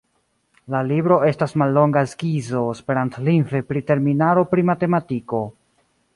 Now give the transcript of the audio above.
La libro estas mallonga skizo esperantlingve pri terminaro pri matematiko.